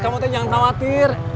kamu tuh jangan khawatir